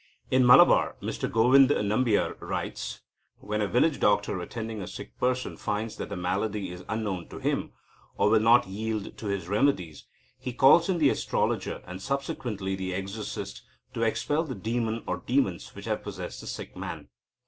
In Malabar, Mr Govinda Nambiar writes, "when a village doctor attending a sick person finds that the malady is unknown to him, or will not yield to his remedies, he calls in the astrologer, and subsequently the exorcist, to expel the demon or demons which have possessed the sick man.